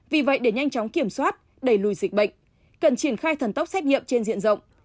vì vậy để nhanh chóng kiểm soát đẩy lùi dịch bệnh cần triển khai thần tốc xét nghiệm trên diện rộng